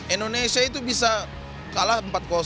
indonesia itu bisa kalah empat